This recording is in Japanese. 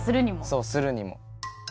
そうするにも。